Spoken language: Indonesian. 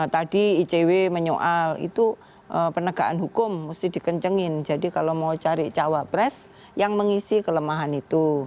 tadi icw menyoal itu penegakan hukum mesti dikencengin jadi kalau mau cari cawapres yang mengisi kelemahan itu